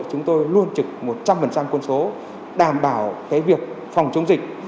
chúng tôi luôn trực một trăm linh quân số đảm bảo việc phòng chống dịch